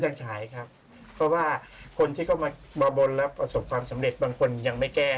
ฉายครับเพราะว่าคนที่เขามาบนแล้วประสบความสำเร็จบางคนยังไม่แก้